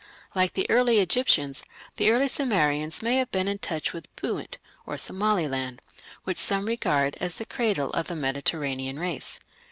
Like the early Egyptians, the early Sumerians may have been in touch with Punt (Somaliland), which some regard as the cradle of the Mediterranean race.